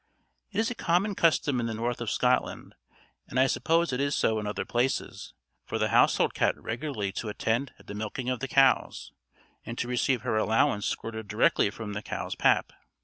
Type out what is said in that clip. It is a common custom in the north of Scotland, and I suppose is so in other places, for the household cat regularly to attend at the milking of the cows, and to receive her allowance squirted directly from the cow's pap.